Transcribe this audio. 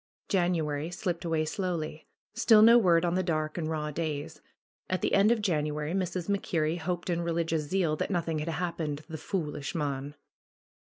January slipped away slowly. Still no word on the dark and raw days. At the end of January Mrs. Mac Kerrie hoped in religious zeal that nothing had hap pened the ^Toolish mon."